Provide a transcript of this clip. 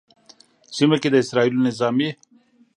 سیمه کې د اسرائیلو نظامي